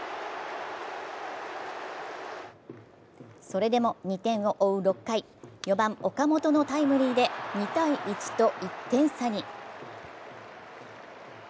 それでも２点を追う６回、４番・岡本のタイムリーで２−１と１点差に。